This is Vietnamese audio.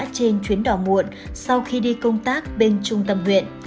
trên chuyến đò muộn sau khi đi công tác bên trung tâm huyện